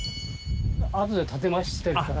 あとで建て増ししてるから。